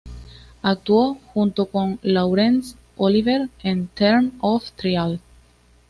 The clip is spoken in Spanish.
Actuó junto con Laurence Olivier en "Term of Trial".